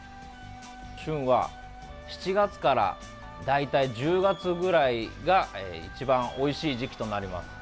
旬は、７月から大体１０月ぐらいが一番おいしい時期となります。